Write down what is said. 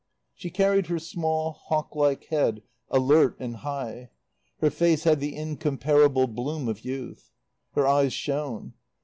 She carried her small, hawk like head alert and high. Her face had the incomparable bloom of youth. Her eyes shone.